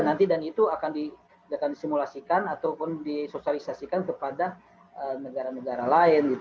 nanti dan itu akan disimulasikan ataupun disosialisasikan kepada negara negara lain